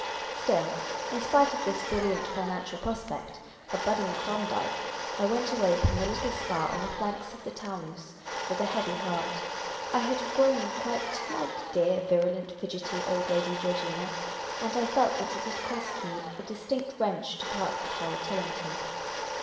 Still, in spite of this brilliant financial prospect, a budding Klondike, I went away from the little Spa on the flanks of the Taunus with a heavy heart. I had grown quite to like dear, virulent, fidgety old Lady Georgina ; and I felt that it had cost me a distinct wrench to part with Harold Tillington.